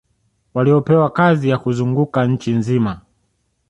waliopewa kazi ya kuzunguka nchi nzima